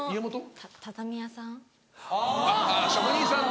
畳屋さん？